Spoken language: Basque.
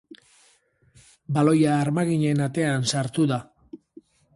Baloia armaginen atean sartu da.